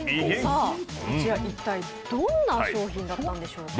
こちら一体、どんな商品だったんでしょうか。